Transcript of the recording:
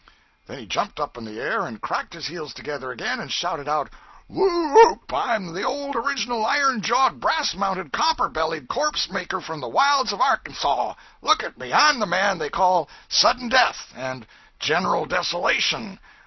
Then he jumped up in the air and cracked his heels together again and shouted out 'Whoo oop! I'm the old original iron jawed, brass mounted, copper bellied corpse maker from the wilds of Arkansaw! Look at me! I'm the man they call Sudden Death and General Desolation!